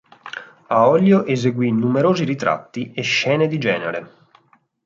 A olio eseguì numerosi ritratti e scene di genere.